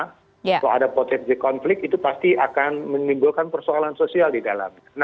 kalau ada potensi konflik itu pasti akan menimbulkan persoalan sosial di dalamnya